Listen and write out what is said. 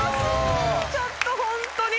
ちょっとホントに。